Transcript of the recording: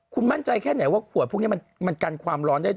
คุณมั่นใจแค่ไหนว่าขวดพวกนี้มันกันความร้อนได้